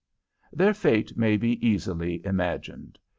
Their fate may easily be imagined.